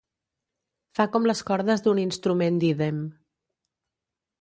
Fa com les cordes d'un instrument d'ídem.